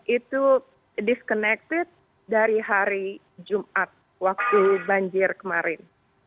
itu disconnected dari hari jumat waktu banjir kemarin